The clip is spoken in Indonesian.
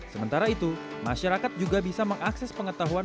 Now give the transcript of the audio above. sementara itu masyarakat juga bisa mengakses pengetahuan